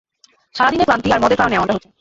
সারাদিনের ক্লান্তি আর মদের কারণে এমনটা হচ্ছে।